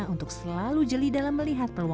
untuk selalu jeli dalam melihat bahwa